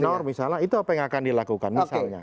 nor misalnya itu apa yang akan dilakukan misalnya